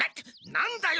何だよ？